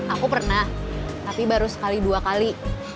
aku pernah tapi baru sekali dua kali